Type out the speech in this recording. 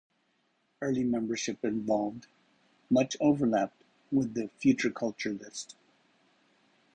Early membership involved much overlap with the Futureculture List.